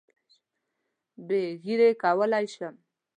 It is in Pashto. بې ږیرې کولای شم.